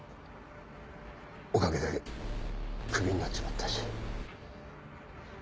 おかげでクビになっちまったし。